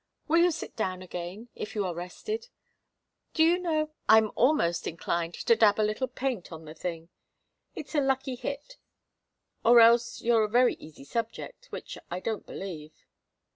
Will you sit down again, if you are rested? Do you know, I'm almost inclined to dab a little paint on the thing it's a lucky hit or else you're a very easy subject, which I don't believe."